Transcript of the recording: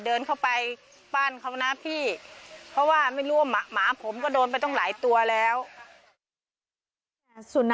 โดนสายไฟไปรอบบ้าน